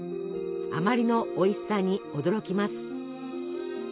あまりのおいしさに驚きます。